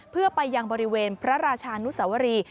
เพื่อไปยังบริเวณพระราชานุสวรี